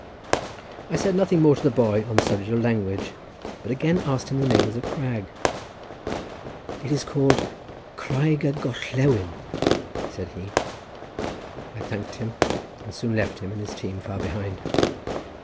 I said nothing more to the boy on the subject of language, but again asked him the name of the crag. "It is called Craig y Gorllewin," said he. I thanked him, and soon left him and his team far behind.